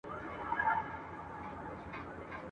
بیا به موسم وي د پسرلیو !.